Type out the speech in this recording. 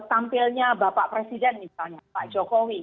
tampilnya bapak presiden misalnya pak jokowi